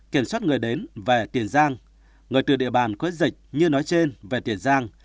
kiểm soát người đến về tiền giang người từ địa bàn có dịch như nói trên về tiền giang